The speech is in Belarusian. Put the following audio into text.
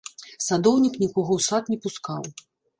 Садоўнік нікога ў сад не пускаў.